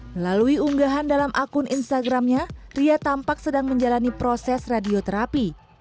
melalui unggahan dalam akun instagramnya ria tampak sedang menjalani proses radioterapi